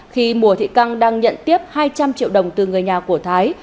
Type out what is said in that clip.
khi mùa thị căng đang nhận tiếp hai trăm linh triệu đồng từ người nhà của thái